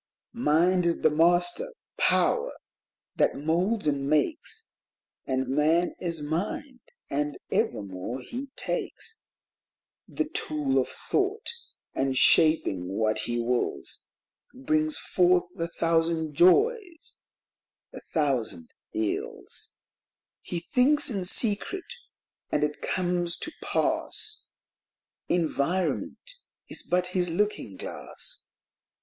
Mind is the Master power that moulds and makes. And Man is Mind and evermore he takes The Tool of Thought, and, shaping what he wills, Brings forth a thousand joys, a thousand ills :— He thinks in secret, and it comes to pass ; Environment is but his looking glass.